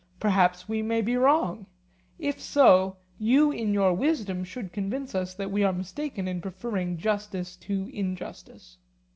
Perhaps we may be wrong; if so, you in your wisdom should convince us that we are mistaken in preferring justice to injustice.